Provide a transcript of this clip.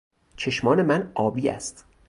چشمان من آبی است.